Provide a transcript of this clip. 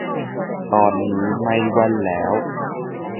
ตอนนี้ไม่แว่นแล้ว